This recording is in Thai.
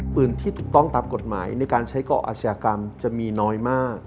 ปืนที่ถูกต้องตามกฎหมายในการใช้เกาะอาชญากรรมจะมีน้อยมาก